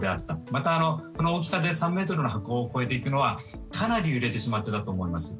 また、この大きさで３ｍのところを超えていくのはかなり揺れてしまっていたと思います。